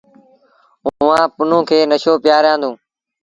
اُئآݩ پنهون کي نشو پيٚآريآندون۔